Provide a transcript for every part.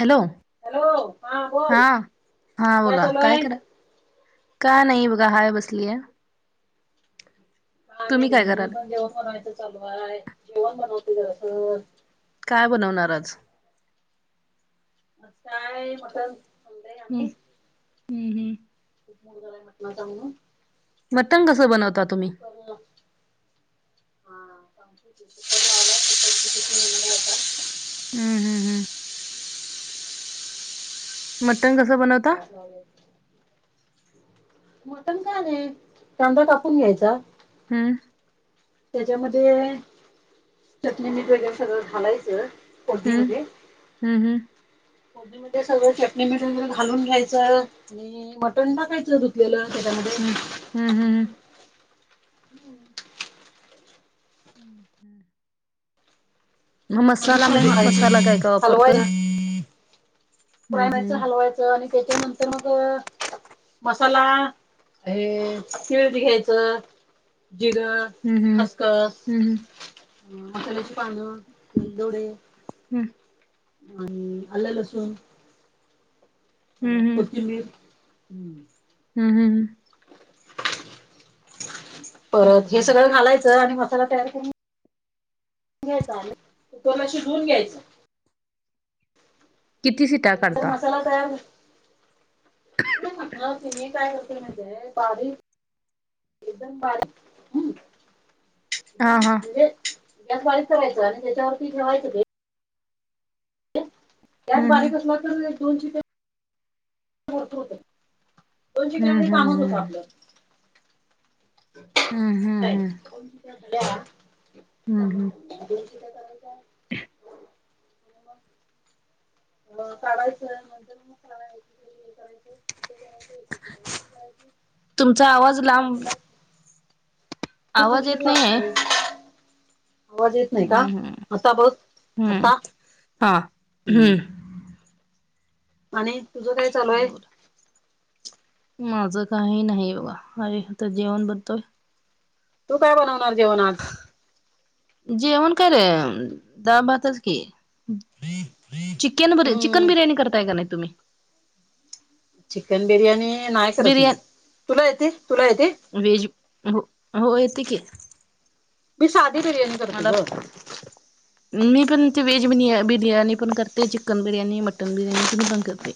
Hello. Hello हा. बोल हा, बोला. चालू काय आहे करा का नाही बघा. हाय बसलीय. आम्ही तुम्ही काय बहिणी कराल पण, जेवण बनवायचं चालू हाय. जेवण बनवते जरासं. काय बनवणार आज? काय? मटण. आणलंय हम्म. हम्म, हम्म. मुलगा लय म्हटला होता म्हणून. मटण कसं, बनवता तुम्ही? [unintelligible] [inaudible] आता. हम्म हम्म हम्म मटन कस, बनव [unintelligible] मटण का नाही. कांदा कापून घ्यायचा. हम्म. त्याच्यामध्ये चटणी, मीठ वगेरे सगळं घालायचं. हम्म फोडणीमध्ये. हम्म हम्म फोडणीमध्ये सगळं, चटणी - मीठ वगैरे घालून घ्यायचं. अं, मटन टाकायचं धुतलेलं, त्याच्यामध्ये हम्म. हम्म, हम्, हम. हम्, हम्म. ह, आणि फ्राय मसालामध्ये, मसाला काय - काय वापरतोय? [unintelligible] मायचं हलवायचं आणि त्याच्यानंतर मग मसाला, हे तिळ बी घ्यायचं. जिरं हम्म खसखस, हम्म मसाल्याची पानं [unintelligible] दोडे. हम्म. आणि आलं- लसूून. हम्म परत कोथिंबीर. हम्. हम्, हम, ह. [inaudible] परत हम्म. हे सगळं घालायचं. आणि मसाला तयार करून घ्यायचा. [unintelligible] तो न अशी धूऊन घ्यायच. किती सिटा [unintelligible] नंतर काढता मसाला तयार नाही म्हटलं ते नि काय होतंय. माहितेय, बारीक एकदम बारीक. हम. [unintelligible] हा हा म्हणजे गॅस बारीक करायच. आणि त्याच्यावरती ठेवायचं ते. गॅस हम्म बारीक असला, तर एक - दोन शिट्या भरपूर होतं. दोन हम्म शिट्ट्यामध्ये, हम्म कामच होतं हम्म आपलं. हम्म, असं हम्म, आहे हम्म. हम्म हम्म [unintelligible] [inaudible] अ काढायचं. नंतर मग [unintelligible] हे करायचं [unintelligible] करायचं. एकीकडे आमटी करायची. तुमचा आवाज लांब [unintelligible] खूप आवाज उशीर येत लागत नाहीेये. नाही आवाज येत नाही का हम्म, हम्म. आता बघ हम्म. आता हा. हम्म. आणि तुझं काय, चालूय? बोला. माझं काही नाही बघा. अरे आ तर जेवण बनतोय. तू काय बनवणार, जेवण आज? जेवण क रे. दा - भातच की. चिकन ब चिकन हम्म बिर्याणी करताय का नाही तुम्ही. चिकन बिर्याणी नाही करत मी तुला येते तुला येते. वेहेज हो हो येते की. मी साधी बिर्याणी करते मला ग. मी पण ते वेज ब बिर्याणी पण करते चिकन बिर्याणी मटन बिर्याणी तिने पण करते.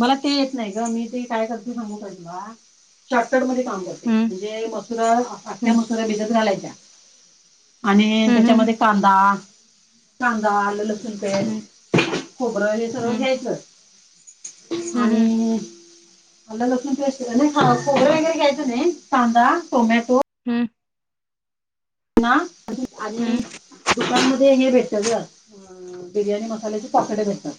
मला ते येत नाही ग मी ते काय करते सांगू काय तुला. शारटट मध्ये काम करते हम्म म्हणजे मसुर अख्ख्या मसुर भिजत घालायच्या. आणि हम्म हम्म त्याच्यामध्ये कांदा कांदा अल्ला लसूण पेस्ट खोबरं हे सगळ हम्म घ्यायच हम्म आणि. अल्ला लसूण पेस्ट [unintelligible] कांदा टोमॅटो. हम्म. ना आणि हम्म दुकान मधे हे भेटत ग. बिर्याणी मसाल्याचे पाकीते भेटतात.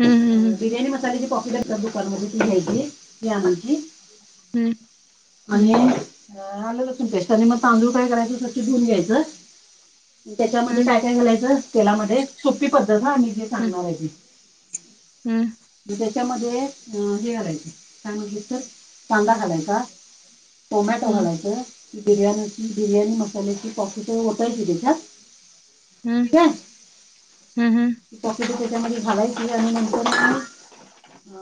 हम्म बिर्याणी मसाले जे पॉकेट असतात दुकानमध्ये ती घ्यायची या आमची हम्म. हम्म आणि आले असून पेस्टने मग तांदूळ काय करायचं त धुन घ्यायचं. हम्म त्याच्यामध्ये हम्म काय काय घालायचं तेलामध्ये सोपी पद्धथ आम्ही जे हम्म सांगणार आहे ती. हम्म. म त्याच्यामध्ये हे करायचं सांगितले तर कांदा घालायचा टोमॅटो हम्म घालायच. बिर्याणीची बिर्याणी मसाल्याची पॉकट होतयल क त्याच्यात. हम्म ठीक आहे हम्म हम्म [unintelligible] अ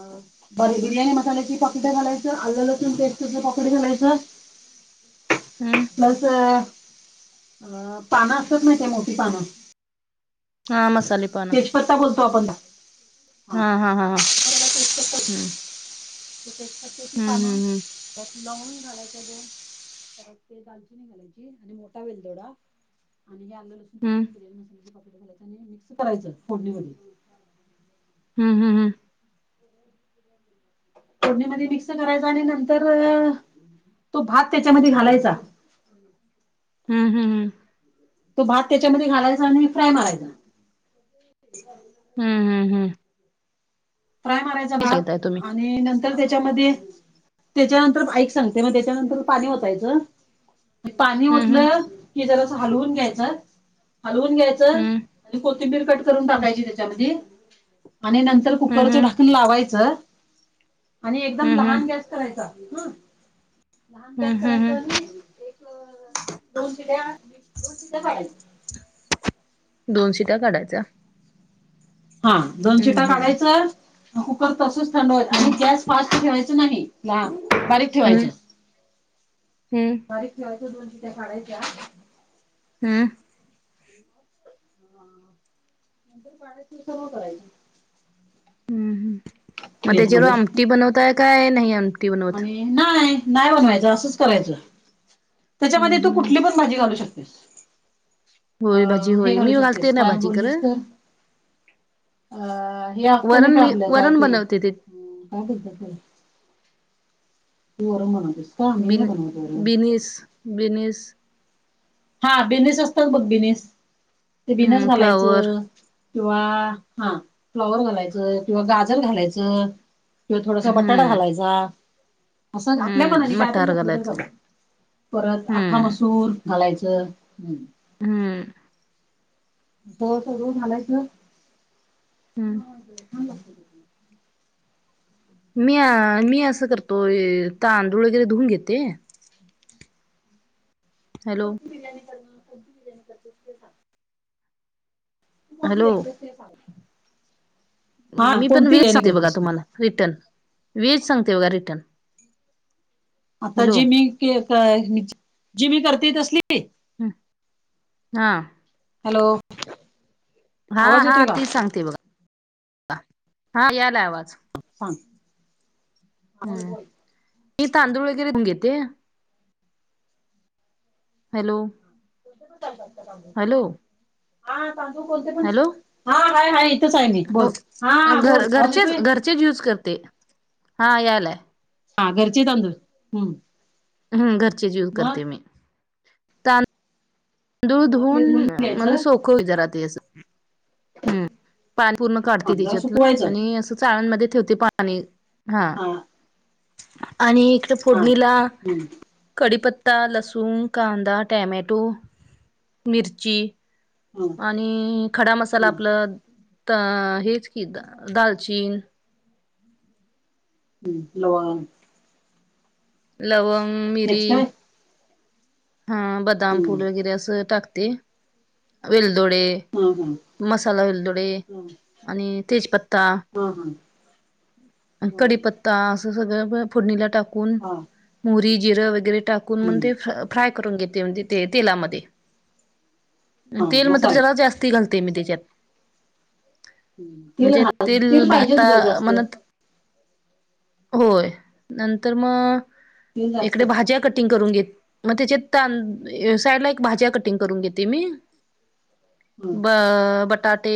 बर बिर्याणी मसाल्याची पकट्या घालायचं आलं लसूण पेस्टच पकडे घालायचं. हम्म प्लस अ पानं असतत नाही ते मोठी पानं. हा मसाली पना. तेजपत्ता बोलतो आपण त्या. हा हा हा हम्म. हम्म [unintelligible] लवण घालायचे दोन परत ते दालचिनी घालायची आणि मोठा वेलदोडा. आणि हेलं लसूण पस् हम्म बिर्याणी मसाल्याचे पापट घालायच आणििक्स करायचं फोडणीमध्ये. हम् हम् हम. [inaudible] तोडणीमध्ये मिक्स करायचा आणि नंतर तो भात त्याच्यामध्ये घालायचा. हम् हम्म. तो भात त्याच्यामध्ये घालायचा आणि फ्राय मारायचा. हम्म हम्म हम्म. फ्राय मारायचा किती भात घेताय तुम्ही आणि नंतर त्याच्यामध्ये त्याच्यानंतर बाईक सांगते मग त्याच्यानंतर पाणी होतायचं. पाणी हम्म हम्म होतलं की जरा अस हलवून घ्यायचं हलवून घ्यायचं. हम्म आणि कोथिंबीर कट करून टाकायची त्याच्यामध्ये आणि नंतर हम्म ककरचढाकून लावायचं आणि एकदम हम्म हम्म हम्म लहान गॅस करायचा. लहान गॅस हम्म हम्म करायचो हम्म आणि एक दोन चिड्या दोन शिड्या पडायचं. दोन शेट्या काढायच्या. हा दोन हम्म शिट्या हम्म काढायचं कुकर तसच थंड होईल हम्म आणि गॅस फास्ट ठेवायचं नाही ला बारीक ठेवायचं. हम्म हम्म बारीक ठेवायच दोन शेट्या काढयच्या. हम्म. [unintelligible] ह नंतर पाण्याची सर्व करायची. हम्म् मग त्याच्यावर आमटी बनवताय काय नाही आमट आणि नाही नाही बनवायच असंच करायचं हम्म त्याच्यामध्ये तू कुठ हम्म कुठली पण भाजी घालू शकतेस. होय भाजी अं हे होय घालू मी घालते शकतेस ना काय भाजी बोललीस खरं तर अ हे आपत नाही वरण का मी आपलं वरण कायती बनवते ते काय बोलत ते होर म्हण. ब बनश बनश हा बिझनस असतात बघ बिझनेस ते बिझनस हम्म फ्लावर घालायचं. किंवा हा फ्लॉवर घालायचं, किंवा गाजर घालायचं. किंवा थोडासा बटाटा हम्म घालायचा. असं आपल्या मनाने हम्म काय परी मटार घेतलं तर घालायचं झाग परत आख्खा हम्म मसूर घालायच. ते हम्. हम्म. हो सगळं झालायच. हम्म मी मी असं करतो तांदूळ वगैरे धुवून घेते. त हॅलो कोद पिलने कर कोध पल्या ना हो हॅलो त ते हा मी पण कोणती वेज बिर्याणी सांगते बघा करतेस तू? तुम्हाला रिटर्न वेज सांगते बघा रिटर्न आता हॅलो जि म जि म करते तसली. ह हा. हॅलो. हा आवाज हा येतोय का? ती सांगते बघा हा यायला आवाज सांग बोल हम्म बोल. मी तांदूळ वगैरे घेते. हॅलो. त [unintelligible] हॅलो. हा सांगू बोलते पण हॅलो हा हाय हाय इथेच आहे, मी बोल हा बोल आवाज येतोय. यज करते हा याला. हा घरचे त हम्म. हम् घरचीच यूज मग करते मी मग ते दूधऊन धुवून म घ्यायचं सो ख जर रा पा पूर्ण हा काढते जरा त्याच्यातलं सुकवायचं आणि अस चाळांमध्ये ठेवते पाणी हा आणि इकडे हा फोडणीला, हम्म कढीपत्ता, लहसूण, कांदा, टॅमॅटो, मिर्चीी, हा आणि खडा मसाला हा आपला अ हेच की दालचीनी हम् हवा लवंग, मिरी. तेच काय हा बदाम हम्म फूल वगैरे असं टाकते वेलदोडे. हा हां. मसाला वेलदोडे आणि तेजपत्ता. हा हा. हा कडीपत्ता त अस सगळं फोडणीला टाकून हा मोहरी जिरं वगैरे, टाकून मण हम्म ते फ्राय करून घेते म्हणजे, ते तेलामध्ये हा तेल मात्र मसाला जला जास्ती घालते. ते म तेच्याात हम्म. तेल म्हणजे घाल तील तेल पाहिजेच भाता ग जास्त म्हणत होय नंतर म तेल जास्त एखादी भाजीं कटिंग करून घेय मग त्याच्या तां साईड ला एक भाज्या कटिंग करून घेते मी. ह ब बटाटे,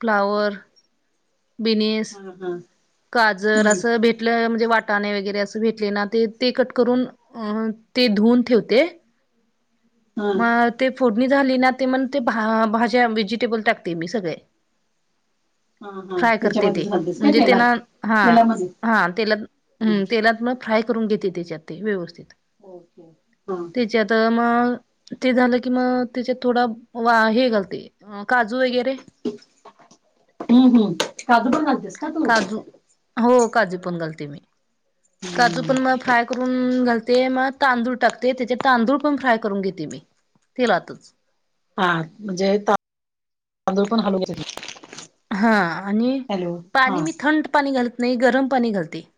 फ्लावर, बिनिस अह हा काजर हम्म असं भेट अ म्हणजे वाटाणे वगैरे, असं भेटले ना. ते ते कट करून ते धुऊून ठेवते. हा मग ते फोडणी झाली ना. ते मग ते भा भाज्या, व्हेजिटेबल टाकते मी सगळे. हा हा फ्राय करते ते. त्याच्यामध्येच घालतेस काय म्हणजे तेलात त्यांना, हा तेलामध्ये हा तेला हम्म तेलात म फ्राय करून घेते, त्याच्यात ते. व्यवस्थित. ओके, ह. ते म ते झालं की, म त्याच्यात थोडा वा हे घालते. अ काजू वगैरे हम्म हम्म काजू पण घालतेस का तू काजू. हो काजू पण घालते मी. काजू हम्म. पण म फ्राय करुन घालते. म तांदूळ टाकते. त्याचे तांदूळ पण फ्राय करून घेते मी. तेलातच. हा म्हणजे तांदूळ पण हलवत्या त्याच्यात हा. आणि पाणी मी थंड पाणी घालत नाही. गरम पाणी घालते.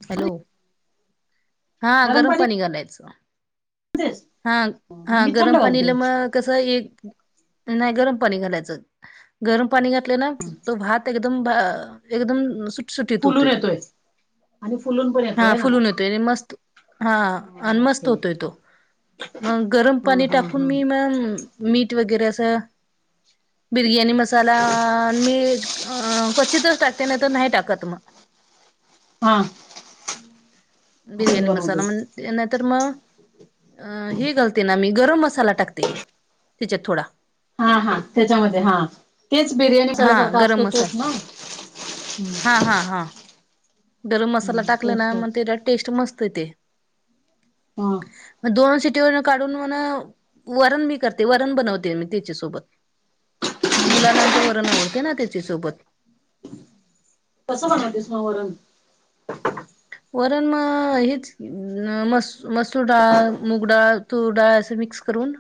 ह [unintelligible] हॅलो, हा गरम पाणी घालायचं. हा मग हा, मी गरम थंड पाणीला घालते म कसये. नाही गरम पाणी घालायचं. गरम पाणी घातलं ना तो भात एकदम ब एकदम सु फुलून येतोय. आणि फुलून पण हा येतोय ना फुलून येतोय. अण मस्त. हा, अण मस्त होतोय तो. मग गरम हा पाणी हा टाकून, हा मी मग मीठ वगैरे असं बिर्याणी मसाला मी, क्चितच टाकते नाही तर, नाही टाकत मग. हा. असंच बिरयाणी मसाला. बनवते म्ह नायतर मं अ हे घालते ना मी, गरम मसाला टाकते. त्याच्यात थोडा. हा हा त्याच्यामध्ये. हा तेच बिर्याणी हा मसाल्यासारखा गरम असतो. तोच मसाला ना. हा हा हा. गरम मसाला टाकला तोच ना, मग तोच तेच्यात टेस्ट मस्त येते. ह. म दोन शिटीवर काढून म्हणा वरण मी करते. वरण बनवते मी, त्याच्यासोबत. मुलांना आमच्या वरण आवडते ना. त्याच्यासोबत. कसं बणतेस म वरण. वरण म हेच, मसू मसूर डाळ, मुगडाळ, तुर डाळ असं मिक्स करून.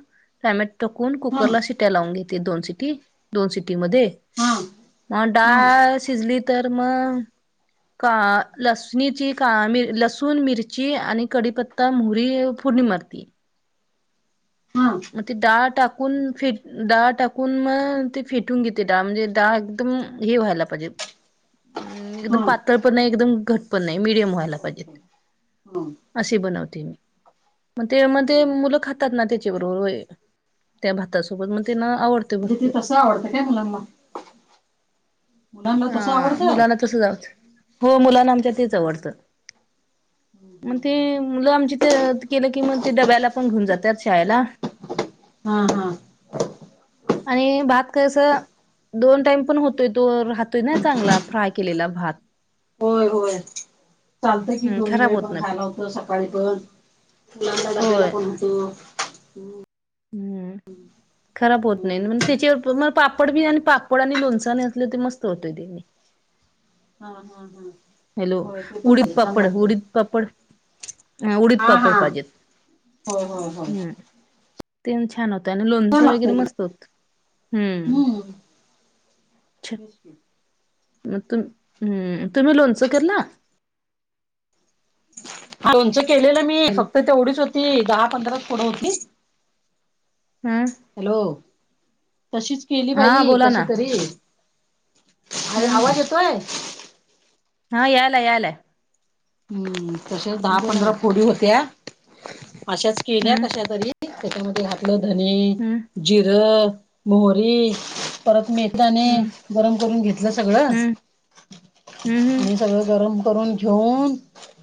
टॅमॅट टाकून हा कुकरला सिट्या लावून घेते. दोन सिटी दोन सिटी मध्ये हा म हा डाळ शिजली तर म. का लसणीची का मिर लसूण, मिरची आणि कडीपत्ता, मुहरी. फुडणी मारते. हा म ते डाळ टाकून फेट. डाळ टाकून म ते फेटून घेते डाळ. म्हणजे डाळ एकदम हे व्हायला पाहिजे. अम एकदम हा पातळ पण नाही. एकदम घट पण नाही. मिडियम व्हायला पाहिजेत. ओके ह असे बनवते मी. म ते म ते म्हणजे मुलं खातात ना ते. [unintelligible] त्या भाता सोबत म. त्यांना आवडत ते भरपूर. तसं आवडतं काय मुलांना मुलांना हा तसं आवडतंय मुलांला तसच आवडत. हो मुलांना आमच्या तेच आवडतं. म ते मुलं आमची ते केलं की म, ते डब्याला पण घेऊन जात्यात. शाळेला. हा हा. आणि भात कस! दोन टाइम पण होतोय तो. राहतोय ना चांगला. फ्राय केलेला भात. होय होय. चालत कि, दोन्ही वेळ पण खायला होत. सकाळी पण. [unintelligible] आपल्याला होय पण होतो. हम्म खराब होत नाही म त्याच्यावर मग पापड बी आणि पापड आणि लोणच आणि असलं ते मस्त होतय ते. हा हा हा हॅलो होय ते पण उडीद पाहिजे छान पापड लागतंय उडीद पापड ह उडीद हा पापड हा पाहिजेत. होय होय होय हम्म ते छान होत आणि छान लोणचं वगैरे लागतंय की मस्त होत हम्म. छ [inaudible] मग तुम्ही तुम्ही लोनचं केल. हा लोणच केलेलं मी हॅलो फक्त तेवढीच होती दहा पंधरा च फोडी होती. हम्म हॅलो तशीच केली हा बाई बोला कशी ना तरी. अरे हम्म आवाज येतोय? हा यालाय यालाय. हम्म तसे दहा बोला पंधरा ना फोडी होत्या अशाच केल्या हम्म कशा तरी. त्याच्यामध्ये घातलं धने, हम्म जिरं, मोहरी. परत मेथने हम्म गरम करून घेतलं सगळं हम्म हम्म हम्म आणि सगळं गरम करून घेऊन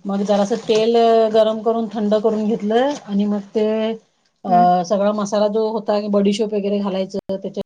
मग जरास तेल हम्म गरम करून थंड करून घेतलं आणि मग ते हम्म अ सगळा मसाला जो होता बडीशेप वैगेरे घालायचं त्या